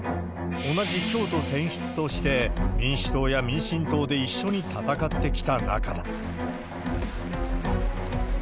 同じ京都選出として、民主党や民進党で一緒に戦ってきた仲だ。